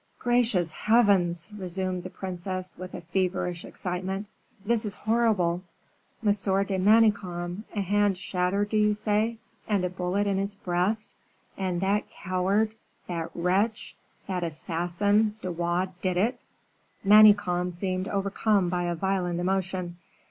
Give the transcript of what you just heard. "Gracious heavens!" resumed the princess, with a feverish excitement, "this is horrible! Monsieur de Manicamp! a hand shattered, do you say, and a bullet in his breast? And that coward! that wretch! that assassin, De Wardes, did it!" Manicamp seemed overcome by a violent emotion.